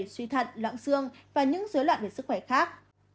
suy thận loạn xương và những dối loạn về sức khỏe khác